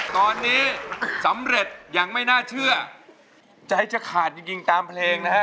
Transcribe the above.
ตอนนี้สำเร็จอย่างไม่น่าเชื่อใจจะขาดจริงตามเพลงนะฮะ